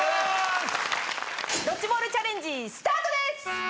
ドッジボールチャレンジスタートです。